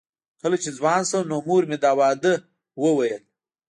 کله چې ځوان شوم نو مور مې د واده وویل